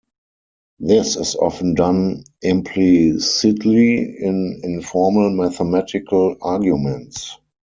This is often done implicitly in informal mathematical arguments.